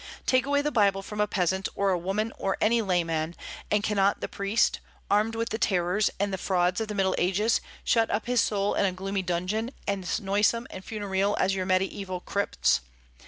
Take away the Bible from a peasant, or a woman, or any layman, and cannot the priest, armed with the terrors and the frauds of the Middle Ages, shut up his soul in a gloomy dungeon, as noisome and funereal as your Mediaeval crypts?